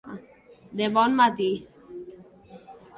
De bon matí.